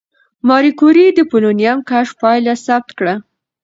ماري کوري د پولونیم کشف پایله ثبت کړه.